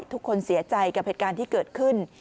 ทุกคนเสียใจกับเหตุการณ์ที่เกิดขึ้น